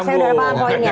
saya udah paham poinnya